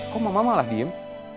kok mama malah diem